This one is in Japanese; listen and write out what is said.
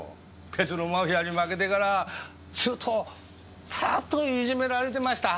別のマフィアに負けてからずっとずーっといじめられてました。